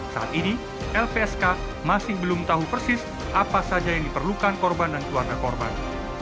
saat ini lpsk masih belum tahu persis apa saja yang diperlukan korban dan keluarga korban